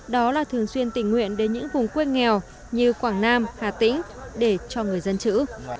đó là thường xuyên tình nguyện đến những vùng quê nghèo như quảng nam hà tĩnh để cho người dân chữ